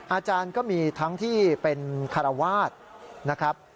อาจารย์ก็มีทั้งที่เป็นคารวาสนะครับ